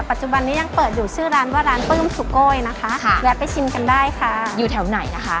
ปัจจุบันนี้ยังเปิดอยู่ชื่อร้านว่าร้านปลื้มสุโกยนะคะแวะไปชิมกันได้ค่ะอยู่แถวไหนนะคะ